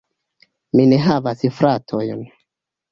Mi ne havas fratojn.